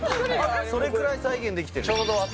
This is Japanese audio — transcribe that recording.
それぐらい再現できてる